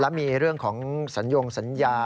แล้วมีเรื่องของสัญญงสัญญา